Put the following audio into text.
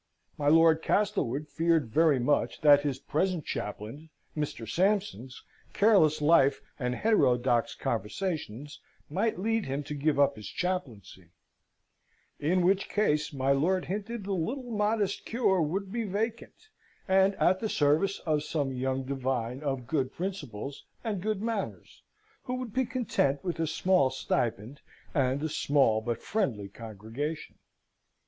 My Lord Castlewood feared very much that his present chaplain's, Mr. Sampson's, careless life and heterodox conversations might lead him to give up his chaplaincy: in which case, my lord hinted the little modest cure would be vacant, and at the service of some young divine of good principles and good manners, who would be content with a small stipend, and a small but friendly congregation.